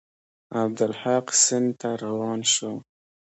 عبدالحق سند ته روان شو.